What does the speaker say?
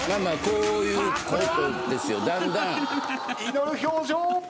祈る表情！